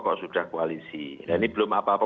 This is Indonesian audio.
kalau sudah koalisi dan ini belum apa apa